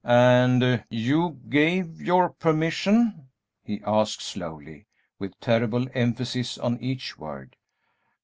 "And you gave your permission?" he asked, slowly, with terrible emphasis on each word.